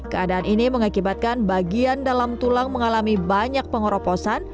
keadaan ini mengakibatkan bagian dalam tulang mengalami banyak pengeroposan